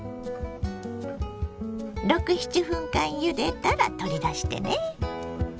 ６７分間ゆでたら取り出してね。